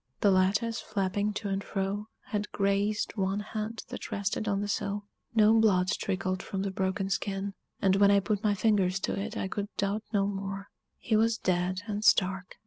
The lattice, flapping to and fro, had grazed one hand that rested on the sill no blood trickled from the broken skin, and when I put my fingers to it I could doubt no more he was dead and stark!